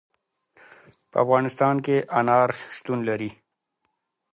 په افغانستان کې انار شتون لري.